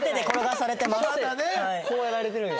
こうやられてるんや。